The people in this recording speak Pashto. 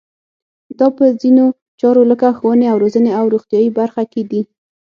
دا په ځینو چارو لکه ښوونې او روزنې او روغتیایي برخه کې دي.